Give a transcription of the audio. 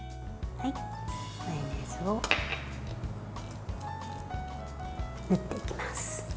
マヨネーズを塗っていきます。